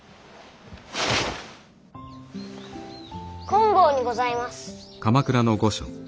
金剛にございます。